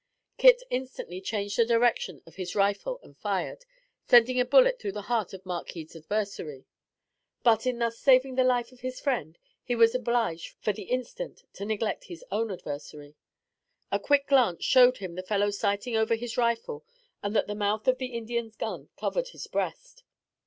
Kit instantly changed the direction of his rifle and fired, sending a bullet through the heart of Markhead's adversary; but, in thus saving the life of his friend, he was obliged, for the instant, to neglect his own adversary. A quick glance showed him the fellow sighting over his rifle and that the mouth of the Indian's gun covered his breast.